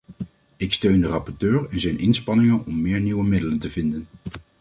Ik steun de rapporteur en zijn inspanningen om meer nieuwe middelen te vinden.